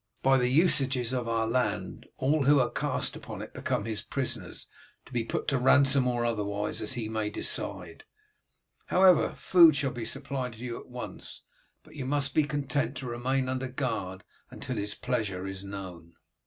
By the usages of our land all who are cast upon it become his prisoners, to be put to ransom or otherwise as he may decide. However, food shall be supplied you at once, but you must be content to remain under guard until his pleasure is known."